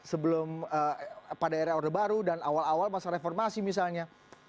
sebelum pada era orde baru dan awal awal masa reformasi misalnya